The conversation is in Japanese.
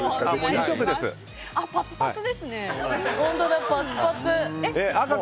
パツパツですね。